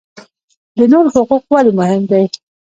د نورو حقوق ولې مهم دي؟